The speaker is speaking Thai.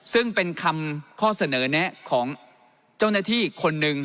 ซึ่งเป็นคำข้อเสนอแนะของเจ้าหน้าที่คนหนึ่ง